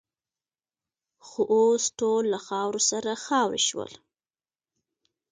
خو اوس ټول له خاورو سره خاوروې شول.